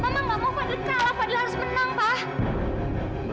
mama nggak mau fadil kalah fadil harus menang pak